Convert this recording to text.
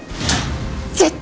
絶対！